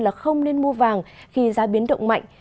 là không nên mua vàng khi giá biến động mạnh